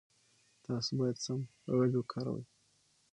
تاسو باید سم خج وکاروئ.